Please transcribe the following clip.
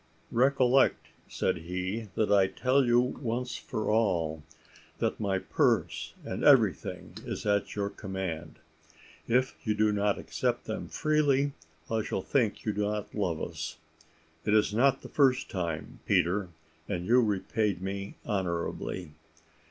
"Recollect," said he, "that I tell you once for all, that my purse, and everything, is at your command. If you do not accept them freely, I shall think you do not love us. It is not the first time, Peter, and you repaid me honourably.